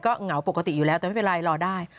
เหงาปกติอยู่แล้วแต่ไม่เป็นไรรอได้